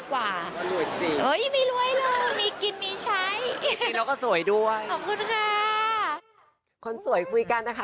คนสวยคุยกันนะค่ะ